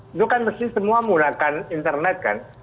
itu kan mesti semua menggunakan internet kan